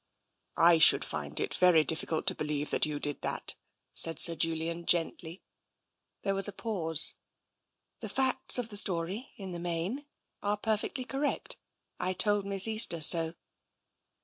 " I should find it very difficult to believe that you did that," said Sir Julian gently. There was a pause. " The facts of the story, in the main, are perfectly correct. I told Miss Easter so."